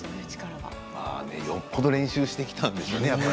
よっぽど練習してきたんでしょうね